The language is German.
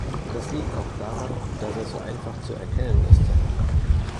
Das liegt auch daran, dass er so einfach zu erkennen ist.